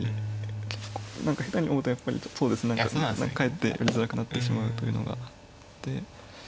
結構何か下手に追うとやっぱりかえってやりづらくなってしまうというのがあって。